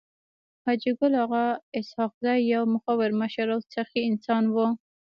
حاجي ګل اغا اسحق زی يو مخور مشر او سخي انسان وو.